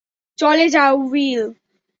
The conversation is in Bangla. চলে যাও, উইল।